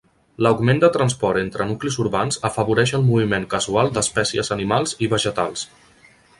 L'augment de transport entre nuclis urbans afavoreix el moviment casual d'espècies animals i vegetals.